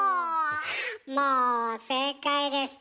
もう正解です。